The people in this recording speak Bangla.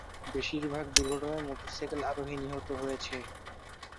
বেশিরভাগ দুর্ঘটনায় মোটরসাইকেল আরোহী নিহত হয়েছে।